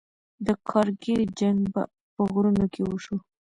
د کارګیل جنګ په غرونو کې وشو.